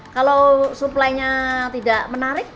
kalau supply nya tidak menarik